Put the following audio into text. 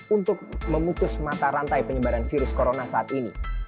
untuk memutus mata rantai penyebaran virus corona saat ini